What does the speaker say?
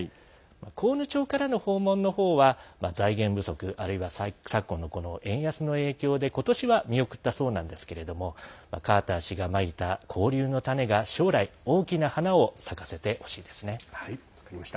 甲奴町からの訪問の方は財源不足、あるいは昨今の円安の影響で今年は見送ったそうなんですけどもカーター氏がまいた交流の種が将来、大きな花を咲かせてほしいですね。